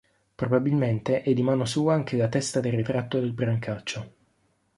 Probabilmente è di mano sua anche la testa del ritratto del Brancaccio.